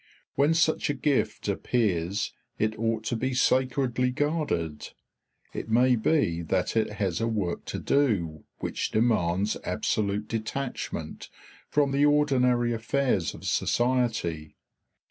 When such a gift appears it ought to be sacredly guarded. It may be that it has a work to do which demands absolute detachment from the ordinary affairs of society.